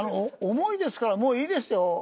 重いですからもういいですよ。